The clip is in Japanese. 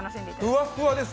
ふわっふわです。